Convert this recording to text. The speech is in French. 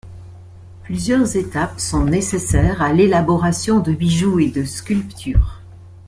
Plusieurs étapes sont nécessaires à l'élaboration de bijoux et de sculptures.